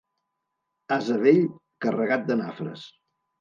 Ase vell, carregat de nafres.